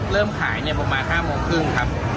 เริ่มขายเนี่ยประมาณ๕โมงครึ่งครับ